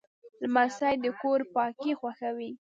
لمسی د کور پاکي خوښوي.